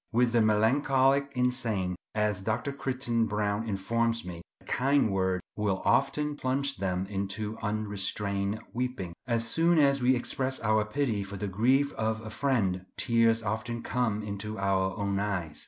With the melancholic insane, as Dr. Crichton Browne informs me, a kind word will often plunge them into unrestrained weeping. As soon as we express our pity for the grief of a friend, tears often come into our own eyes.